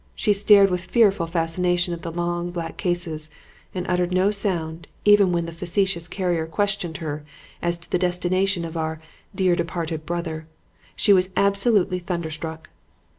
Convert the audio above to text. She stared with fearful fascination at the long, black cases and uttered no sound even when the facetious carrier questioned her as to the destination of 'our dear departed brother.' She was absolutely thunderstruck.